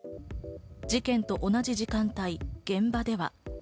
事件と同じ時間帯、現場では。